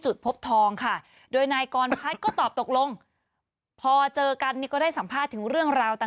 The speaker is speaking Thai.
จุดพบทองค่ะโดยนายกรพัฒน์ก็ตอบตกลงพอเจอกันนี่ก็ได้สัมภาษณ์ถึงเรื่องราวต่าง